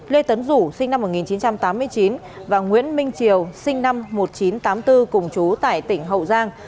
lê tấn rủ sinh năm một nghìn chín trăm tám mươi chín và nguyễn minh triều sinh năm một nghìn chín trăm tám mươi bốn cùng chú tại tỉnh hậu giang